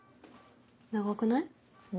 長くない？